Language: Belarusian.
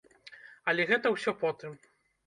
Але гэта ўсё потым.